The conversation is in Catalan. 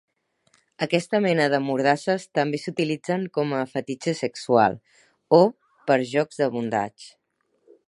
Aquesta mena de mordasses també s'utilitzen com a fetitxe sexual o per jocs de "bondage".